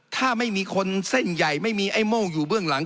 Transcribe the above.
ถ้าไม่มีคนเส้นใหญ่ไม่มีไอ้โม่งอยู่เบื้องหลัง